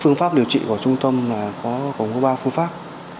phương pháp điều trị của trung tâm là có ba phương pháp